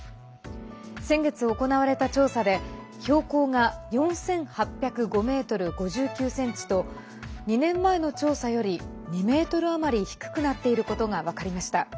先月行われた調査で標高が４８０５ｍ５９ｃｍと２年前の調査より２ｍ余り低くなっていることが分かりました。